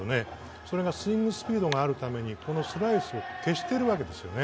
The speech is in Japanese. それがスイングスピードがあるためにこのスライスを消してる訳ですね。